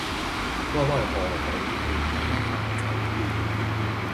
喂喂荷里活有間大酒店